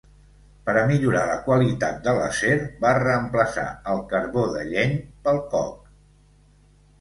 Per a millorar la qualitat de l'acer va reemplaçar el carbó de lleny pel coc.